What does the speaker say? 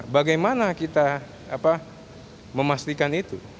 bagaimana kita memastikan itu